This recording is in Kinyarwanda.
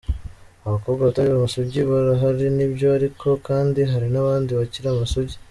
Abakobwa batari amasugi barahari nibyo ariko kandi hari n’abandi bakiri amasugi.